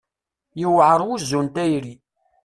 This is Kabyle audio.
Yewɛer wuzzu n tayri.